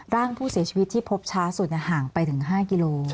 ร่างผู้เสียชีวิตที่พบช้าสุดห่างไปถึง๕กิโล